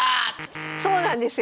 そうなんですよ。